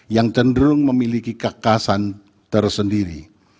yang cenderung memiliki kekasan tersendiri